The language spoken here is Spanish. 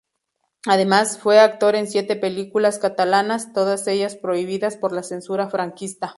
Además, fue actor en siete películas catalanas, todas ellas prohibidas por la censura franquista.